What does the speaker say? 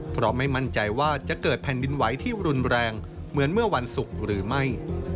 เพราะไม่มั่นใจว่าจะเกิดแผ่นดินไหวที่รุนแรงเหมือนเมื่อวันศุกร์หรือไม่